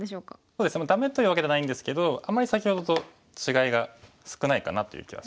そうですねダメというわけではないんですけどあんまり先ほどと違いが少ないかなという気がします。